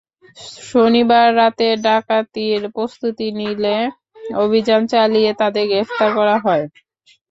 শনিবার রাতে ডাকাতির প্রস্তুতি নিলে অভিযান চালিয়ে তাদের গ্রেপ্তার করা হয়।